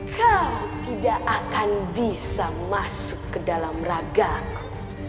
kau tidak akan bisa masuk ke dalam ragaku